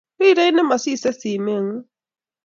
Rirei ne masisei simeng'ung'